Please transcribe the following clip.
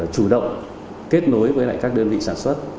chủ động kết nối với các đơn vị sản xuất